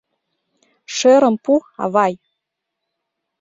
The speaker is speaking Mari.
— Шӧрым пу, авай.